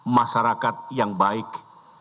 masyarakat yang baik